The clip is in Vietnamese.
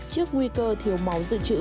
trước nguy cơ thiếu máu dự trữ